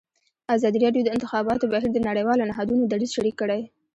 ازادي راډیو د د انتخاباتو بهیر د نړیوالو نهادونو دریځ شریک کړی.